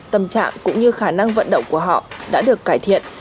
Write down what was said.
tâm trạng cũng như khả năng vận động của họ đã được cải thiện